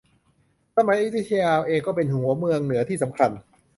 สมัยอยุธยาเองก็เป็นหัวเมืองเหนือที่สำคัญ